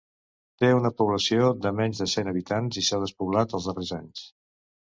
Té una població de menys de cent habitants i s'ha despoblat els darrers anys.